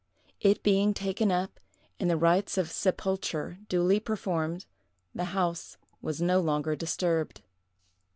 It being taken up, and the rights of sepulture duly performed, the house was no longer disturbed.